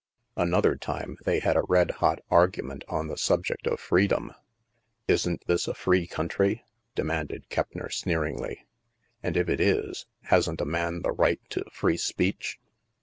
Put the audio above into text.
Another time, they had a red hot argument on the subject of freedom. " Isn't this a free country?*' demanded Keppner sneeringly. " And if it is, hasn't a man the right to free speech